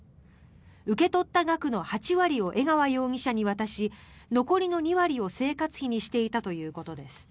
受け取った額の８割を江川容疑者に渡し残りの２割を生活費にしていたということです。